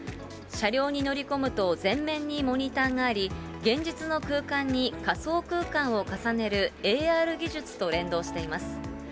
車両に乗り込むと、前面にモニターがあり、現実の空間に仮想空間を重ねるＡＲ技術と連動しています。